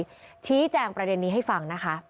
ชี้แจงประเด็นนี้ให้ฟังนะคะ